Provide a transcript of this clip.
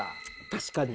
確かに。